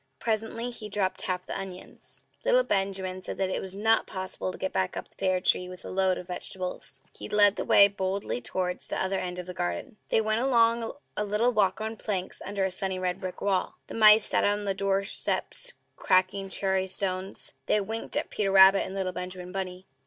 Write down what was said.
Presently he dropped half the onions. Little Benjamin said that it was not possible to get back up the pear tree with a load of vegetables. He led the way boldly towards the other end of the garden. They went along a little walk on planks, under a sunny, red brick wall. The mice sat on their doorsteps cracking cherry stones; they winked at Peter Rabbit and little Benjamin Bunny.